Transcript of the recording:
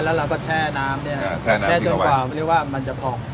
แล้วเราก็แช่น้ำแช่จนกว่ามันจะผอม